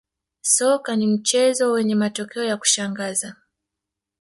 soka ni mchezo wenye matokeo ya kushangaza